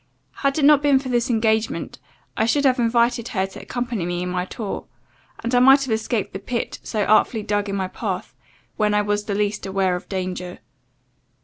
Had it not been for this engagement, I should have invited her to accompany me in my tour; and I might have escaped the pit, so artfully dug in my path, when I was the least aware of danger.